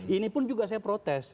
ini pun juga saya protes